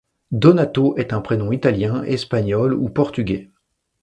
Donato est un prénom italien, espagnol ou portugais.